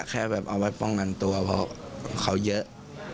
แค่แบบเอาไว้ป้องกันตัวเพราะเขาเยอะ